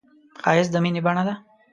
ښایست د مینې بڼه ده